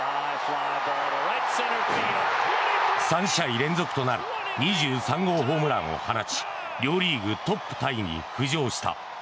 ３試合連続となる２３号ホームランを放ち両リーグトップタイに浮上した。